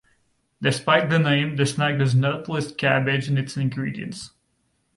Despite the name, the snack does not list cabbage in its ingredients.